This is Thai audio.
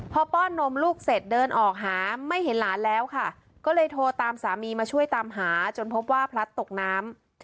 พอป้อนนมลูกเสร็จเดินออกหาไม่เห็นหลานแล้วค่ะก็เลยโทรตามสามีมาช่วยตามหาจนพบว่าพลัดตกน้ำ